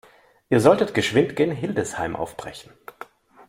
Ihr solltet geschwind gen Hildesheim aufbrechen.